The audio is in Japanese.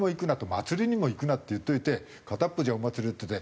祭りにも行くなって言っておいて片っぽじゃお祭りっていうんで。